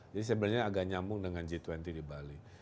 jadi sebenarnya agak nyambung dengan g dua puluh di bali